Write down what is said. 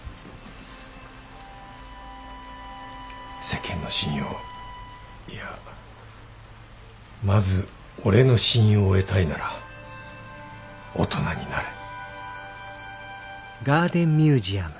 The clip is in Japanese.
世間の信用いやまず俺の信用を得たいなら大人になれ。